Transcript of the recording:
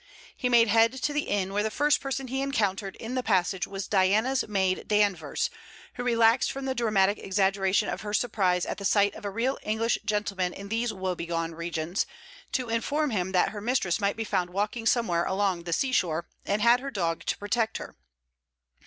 He made head to the inn, where the first person he encountered in the passage was Diana's maid Danvers, who relaxed from the dramatic exaggeration of her surprise at the sight of a real English gentleman in these woebegone regions, to inform him that her mistress might be found walking somewhere along the sea shore, and had her dog to protect her.